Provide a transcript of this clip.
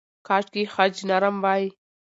کاشکې خج نرم وای.